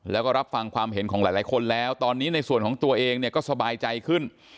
แล้วก็รับฟังความเห็นของหลายคนแล้วตอนนี้ในส่วนของตัวเองเนี่ยก็สบายใจขึ้น